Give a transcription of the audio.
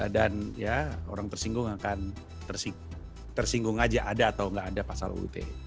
dan ya orang tersinggung akan tersinggung aja ada atau gak ada pasal uu ite